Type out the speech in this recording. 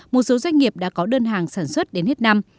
một số doanh nghiệp đã có đơn hàng sản xuất đến hết năm